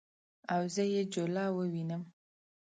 او زه یې جوله ووینم